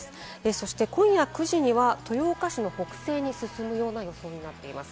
そして今夜９時には豊岡市の北西に進むような予想になっています。